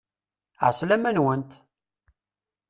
Ɛeslama-nwent!